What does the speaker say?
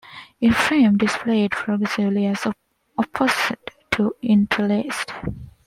The frames are displayed progressively as opposed to interlaced.